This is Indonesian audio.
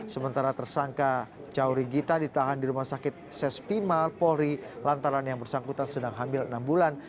sementara tersangka caori gita ditahan di rumah sakit sespimal polri lantaran yang bersangkutan sedang hamil enam bulan